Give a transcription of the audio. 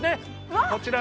こちらの。